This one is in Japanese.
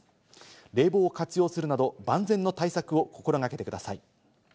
冷房を活用するなど、万全の対策を心掛けてください。